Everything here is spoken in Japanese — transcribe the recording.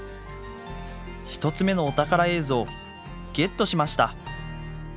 １つ目のお宝映像ゲットしました！